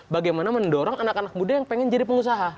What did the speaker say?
bagaimana mendorong anak anak muda yang pengen jadi pengusaha